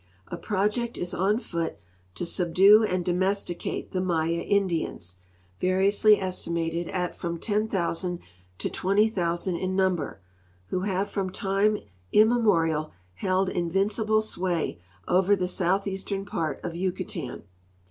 A project is on foot to subdue and domesticate the 5Iaya Indians, va riously estimateil at from 10,000 to 20,000 in number, who have from time immemorial held invincible sway over the southeastern part of Yucatan.